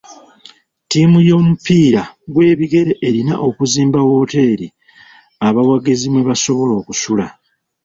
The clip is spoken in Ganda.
Ttiimu y'omupiira gw'ebigere erina okuzimba wooteeri abawagizi mwe basobola okusula.